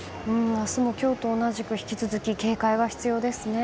明日も今日と同じく引き続き警戒が必要ですね。